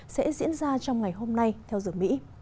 sẽ diễn ra trong ngày hôm nay theo giờ mỹ